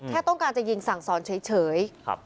แค่ต้องการจะยิงสั่งสอนเฉย